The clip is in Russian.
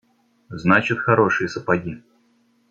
Значит хорошие сапоги.